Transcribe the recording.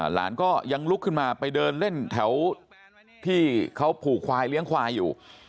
หลานก็ยังลุกขึ้นมาไปเดินเล่นแถวที่เขาผูกควายเลี้ยงควายอยู่